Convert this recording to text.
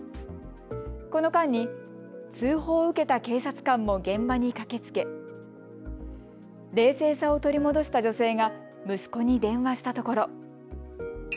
この間に通報を受けた警察官も現場に駆けつけ冷静さを取り戻した女性が息子に電話したところ。